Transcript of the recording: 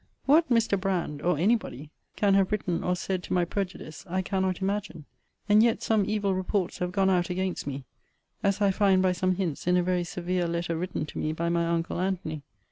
What Mr. Brand, or any body, can have written or said to my prejudice, I cannot imagine; and yet some evil reports have gone out against me; as I find by some hints in a very severe letter written to me by my uncle Antony.